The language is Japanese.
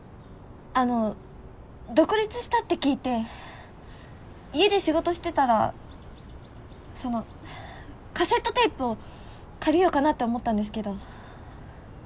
あの独立したって聞いて家で仕事してたらそのカセットテープを借りようかなって思ったんですけど。